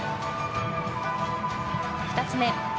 ２つ目。